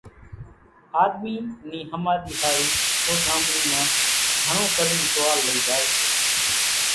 آۮمِي نِي ۿماۮِي ۿارُو اوڍامڻي مان گھڻون ڪرين ٽووال لئي زائي سي ۔